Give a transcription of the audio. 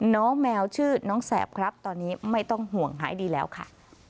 น้องแมวชื่อน้องแสบครับตอนนี้ไม่ต้องห่วงหายดีแล้วค่ะ